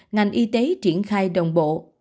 ngành y tế triển khai đồng bộ